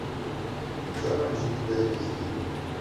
Carinan jî dibe lehî.